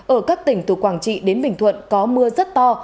ở các tỉnh từ quảng trị đến bình thuận có mưa rất to